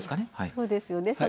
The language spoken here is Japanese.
そうですよね